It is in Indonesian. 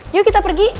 yuk kita pergi